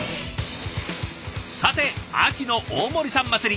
さて秋の大盛りさん祭り。